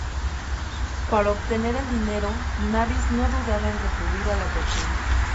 Para obtener el dinero, Nabis no dudaba en recurrir a la tortura.